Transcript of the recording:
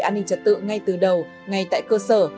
an ninh trật tự ngay từ đầu ngay tại cơ sở